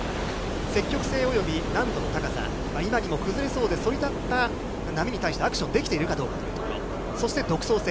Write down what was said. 積極性および難度の高さ、今にも崩れそうでそり立った波に対してアクションできているかというところ、そして独創性。